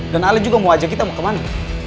dan ale juga mau ajak kita mau kemana